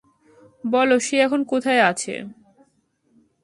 বলো, সে এখন কোথায় আছে?